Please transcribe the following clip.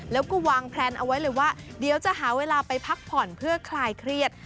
แล้วก็วางแพลนเอาไว้เลยว่าเดี๋ยวจะหาเวลาไปพักผ่อนเพื่อคลายเครียด